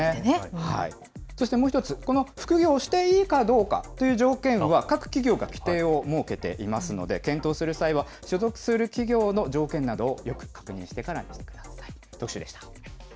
そしてもう１つ、この副業をしていいかどうかという条件は、各企業が規定を設けていますので、検討する際は、所属する企業の条件などをよく確認してからにしてください。